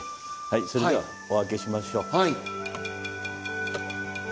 それではお開けしましょう。